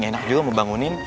ga enak juga mau bangunin